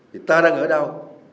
thì ta đang ở đâu